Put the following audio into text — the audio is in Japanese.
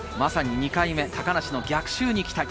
２回目、高梨の逆襲に期待。